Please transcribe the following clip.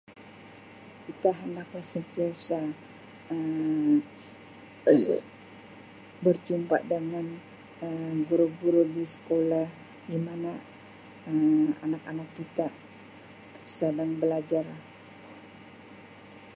Kita hendaklah sentiasa Um berjumpa dengan Um guru-guru di sekolah di mana Um anak-anak kita sadang belajar.